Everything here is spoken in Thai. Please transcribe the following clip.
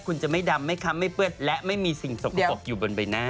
คุณจะไม่ดำไม่ค้ำไม่เปื้อนและไม่มีสิ่งสกปรกอยู่บนใบหน้า